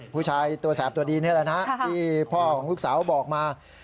ผู้ชายตัวแสบตัวดีนี่แหละนะที่พ่อของลูกสาวบอกมา